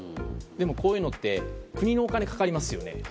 でもこういうのって国のお金がかかりますよね。